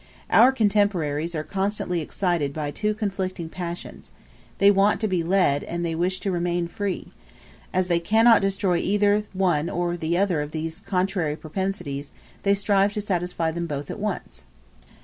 Our contemporaries are constantly excited by two conflicting passions; they want to be led, and they wish to remain free: as they cannot destroy either one or the other of these contrary propensities, they strive to satisfy them both at once.